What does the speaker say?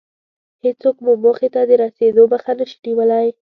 هېڅوک مو موخې ته د رسېدو مخه نشي نيولی.